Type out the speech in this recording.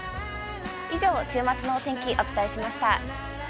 以上、週末のお天気、お伝えしました。